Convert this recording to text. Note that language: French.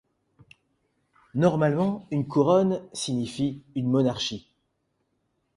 Normalement, une couronne signifie une monarchie.